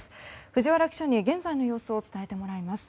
藤原記者に現在の様子を伝えてもらいます。